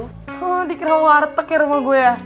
hah dikira war tek ya rumah gue ya